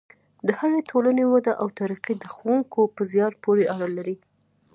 د هرې ټولنې وده او ترقي د ښوونکو په زیار پورې اړه لري.